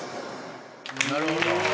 なるほど。